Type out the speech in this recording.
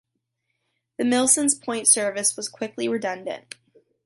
The Milsons Point service was quickly redundant.